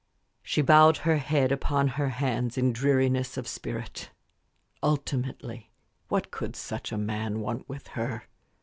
She bowed her head upon her hands in dreariness of spirit. Ultimately, what could such a man want with her?